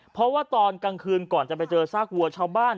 เพราะว่าตอนกลางคืนก่อนจะไปเจอซากวัวชาวบ้าน